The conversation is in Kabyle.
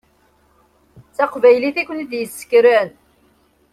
D taqbaylit i kent-id-yessekren.